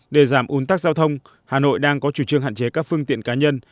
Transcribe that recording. để giảm un tắc giao thông hà nội đang có chủ trương hạn chế các phương tiện cá nhân